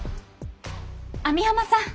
網浜さん！